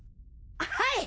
はい！